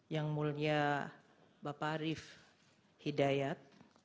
yang mulia bapak arief hidayat